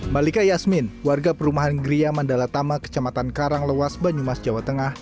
malika yasmin warga perumahan gria mandalatama kecamatan karanglewas banyumas jawa tengah